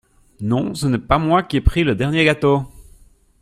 Non, ce n'est pas moi qui ai pris le dernier gâteau!